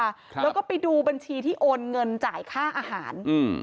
ครับแล้วก็ไปดูบัญชีที่โอนเงินจ่ายค่าอาหารอืม